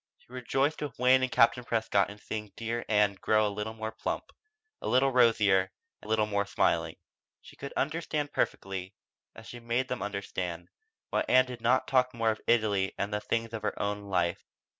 She rejoiced with Wayne and Captain Prescott in seeing dear Ann grow a little more plump, a little rosier, a little more smiling. She could understand perfectly, as she had made them understand, why Ann did not talk more of Italy and the things of her own life.